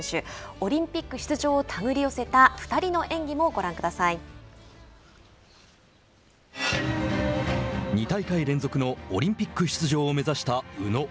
オリンピック出場を手繰り寄せた２大会連続のオリンピック出場を目指した宇野。